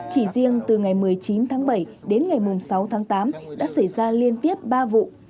chỉ riêng từ ngày một mươi chín tháng bảy đến ngày sáu tháng tám đã xảy ra liên tiếp ba vụ